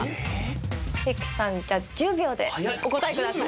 関さんじゃあ１０秒でお答えください。